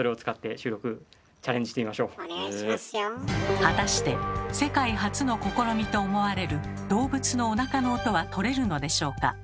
果たして世界初の試みと思われる動物のおなかの音はとれるのでしょうか。